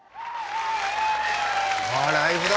わライブだ。